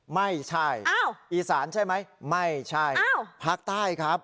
ไม่ใช่อีสานใช่ไหมไม่ใช่ภาคใต้ครับ